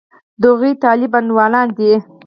د هغوی طالب انډېوالان دي.